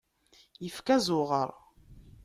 Ifka azuɣer.